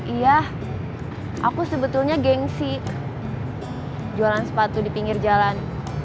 iya aku sebetulnya gengsi jualan sepatu di pinggir jalan